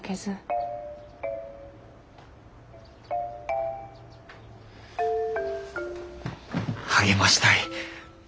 心の声励ましたい。